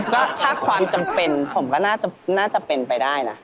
ก็ถ้าความจำเป็นผมก็น่าจะเป็นไปได้นะ